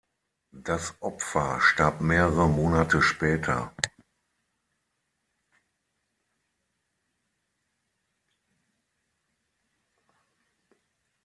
Das Opfer starb mehrere Monate später.